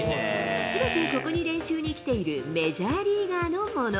全てここに練習に来ているメジャーリーガーのもの。